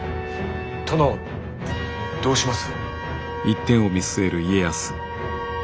殿どうします？